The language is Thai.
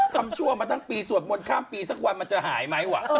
ชั่วมาทั้งปีสวดมนต์ข้ามปีสักวันมันจะหายไหมว่ะ